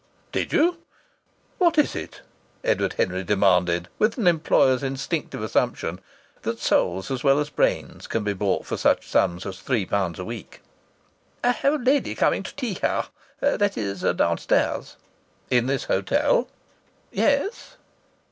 "Did you? What is it?" Edward Henry demanded, with an employer's instinctive assumption that souls as well as brains can be bought for such sums as three pounds a week. "I have a lady coming to tea here. That is, downstairs." "In this hotel?" "Yes."